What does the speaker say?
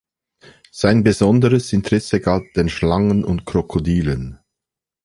Sein besonderes Interesse galt den Schlangen und Krokodilen.